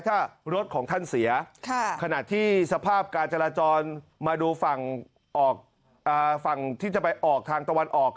ถ้ารถของท่านเสียขณะที่สภาพการจราจรมาดูฝั่งออกฝั่งที่จะไปออกทางตะวันออก